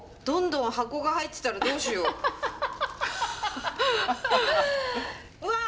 どんどん箱が入ってたらどうしよう。